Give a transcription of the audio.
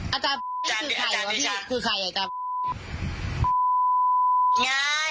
อาจารย์ง่าย